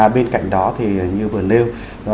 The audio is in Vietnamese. bên cạnh đó thì như vừa nêu